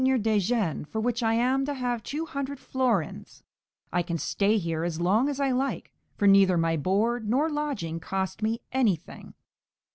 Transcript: de Jean, for which I am to have 200 florins; I can stay here as long as I like, for neither my board nor lodging cost me anything."